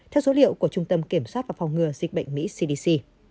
theo số liệu của trung tâm kiểm soát và phòng ngừa dịch bệnh mỹ cdc